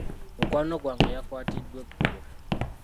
Mukwano gwange yakwatiddwa eggulo.